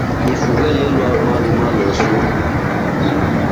Ifuve lelya maru malosu.